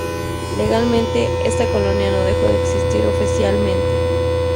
Legalmente, esta colonia no dejó de existir oficialmente.